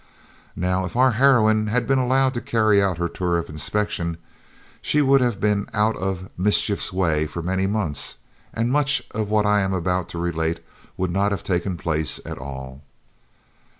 Now, if our heroine had been allowed to carry out her tour of inspection, she would have been out of "mischief's way" for many months, and much of what I am about to relate would not have taken place at all.